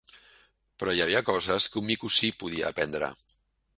Però hi havia coses que un mico sí podia aprendre...